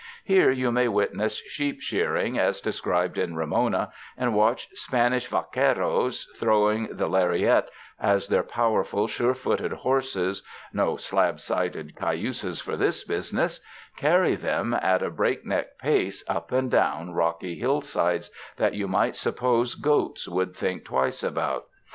Here you may witness sheep shearing as described in "Ramona" and watch Spanish vaqueros throwing the lariat, as their powerful, sure footed horses — no slabsided cayuses for this business — carry them at a breakneck pace up and down rocky hillsides that you might supj^ose goats would think twice about.